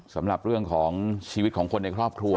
สำหรับเรื่องของชีวิตของคนในครอบครัว